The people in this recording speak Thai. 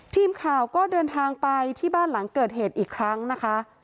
ทีมข่าวก็เดินทางไปที่บ้านหลังเกิดเหตุอีกครั้งนะคะ